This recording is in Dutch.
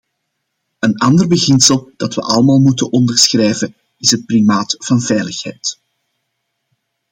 Een ander beginsel dat we allemaal moeten onderschrijven, is het primaat van veiligheid.